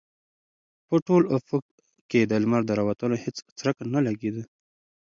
په ټول افق کې د لمر د راوتلو هېڅ څرک نه لګېده.